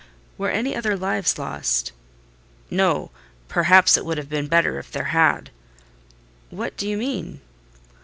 "Were any other lives lost?" "No—perhaps it would have been better if there had." "What do you mean?"